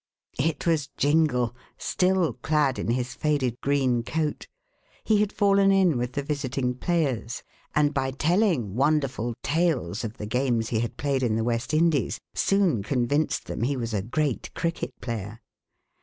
It was Jingle, still clad in his faded green coat. He had fallen in with the visiting players, and by telling wonderful tales of the games he had played in the West Indies, soon convinced them he was a great cricket player.